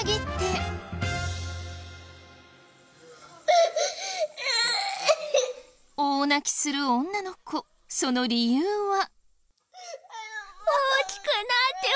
結局大泣きする女の子その理由は？